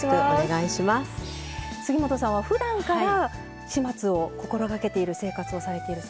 杉本さんは、ふだんから始末を心がけている生活をされていると。